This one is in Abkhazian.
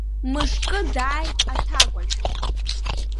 Мышкы дааит аҭакәажә…